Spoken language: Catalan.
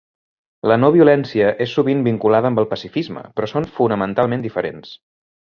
La no-violència és sovint vinculada amb el pacifisme però són fonamentalment diferents.